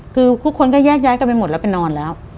คือทุกคนก็แยกย้ายกันไปหมดแล้วไปนอนแล้ว